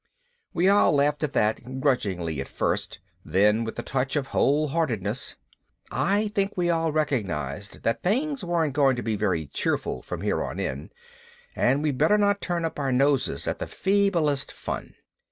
We all laughed at that, grudgingly at first, then with a touch of wholeheartedness. I think we all recognized that things weren't going to be very cheerful from here on in and we'd better not turn up our noses at the feeblest fun.